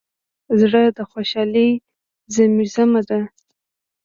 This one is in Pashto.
زړه د خوشحالۍ زیمزمه ده.